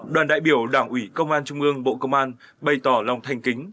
đoàn đại biểu đảng ủy công an trung ương bộ công an bày tỏ lòng thanh kính